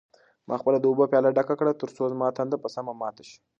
ما خپله د اوبو پیاله ډکه کړه ترڅو زما تنده په سمه ماته شي.